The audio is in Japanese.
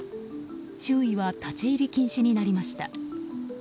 周囲は立ち入り禁止になりました。